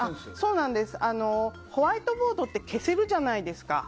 ホワイトボードって消せるじゃないですか。